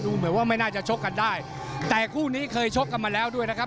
เหมือนว่าไม่น่าจะชกกันได้แต่คู่นี้เคยชกกันมาแล้วด้วยนะครับ